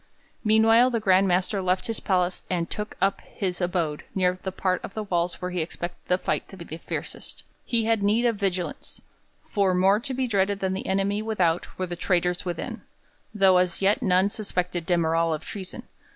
Meanwhile the Grand Master left his palace and took up his abode near the part of the walls where he expected the fight to be fiercest. He had need of vigilance; for more to be dreaded than the enemy without were the traitors within, though as yet none suspected de Merall of treason.